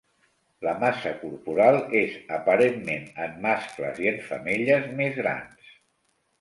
La massa corporal és aparentment en mascles i en femelles més grans.